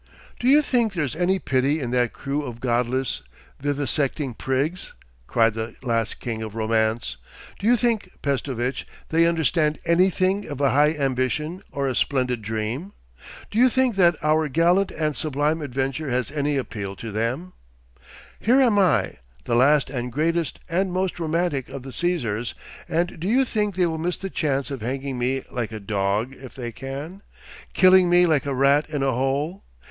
'Do you think there's any pity in that crew of Godless, Vivisecting Prigs?' cried this last king of romance. 'Do you think, Pestovitch, they understand anything of a high ambition or a splendid dream? Do you think that our gallant and sublime adventure has any appeal to them? Here am I, the last and greatest and most romantic of the Cæsars, and do you think they will miss the chance of hanging me like a dog if they can, killing me like a rat in a hole?